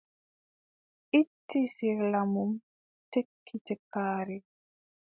Itti sirla mum, tekki tekkaare.